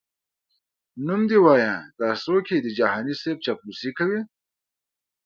نوم دي وایه دا څوک یې د جهاني صیب چاپلوسي کوي؟🤧🧐